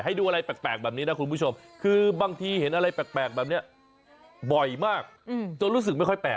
ไม่ปฏิเสธตั้งแต่๒หมื่นแล้ว